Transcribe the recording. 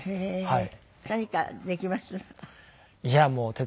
はい。